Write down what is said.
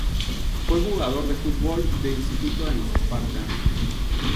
Fue jugador de fútbol de instituto en los Spartans.